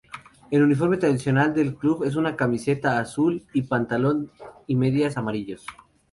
El uniforme tradicional del club es camiseta azul y pantalón y medias amarillos.